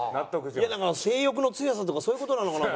いやなんか性欲の強さとかそういう事なのかなと。